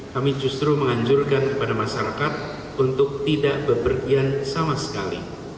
kami justru menganjurkan kepada masyarakat untuk tidak bepergian sama sekali